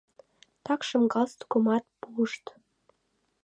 Такшым галстукымат пуышт.